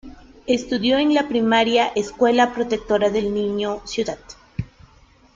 Estudió en la primaria "Escuela Protectora del Niño" Cd.